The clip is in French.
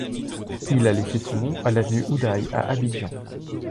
Il a laissé son nom à l'avenue Houdaille à Abidjan.